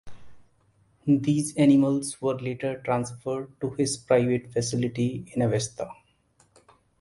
These animals were later transferred to his private facility in Avesta.